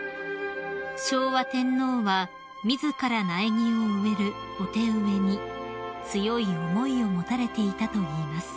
［昭和天皇は自ら苗木を植えるお手植えに強い思いを持たれていたといいます］